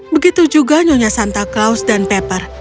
begitu juga nyonya santa claus dan pepper